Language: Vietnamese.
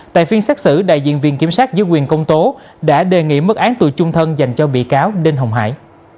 tại phiên xét xử đại diện viên kiểm sát dưới quyền công tố đã đề nghị mức án tù chung thân dành cho bị cáo đinh hồng hải